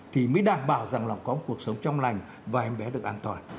thì mới đảm bảo rằng là có một cuộc sống trong lành và em bé được an toàn